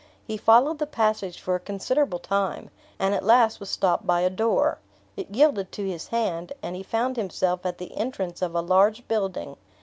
He followed the passage for a considerable time, and at last was stopped by a door. It yielded to his hand, and he found himself at the entrance of a large building.